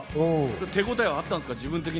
手応えはあったんですか？